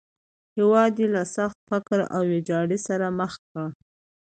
هېواد یې له سخت فقر او ویجاړۍ سره مخ کړ.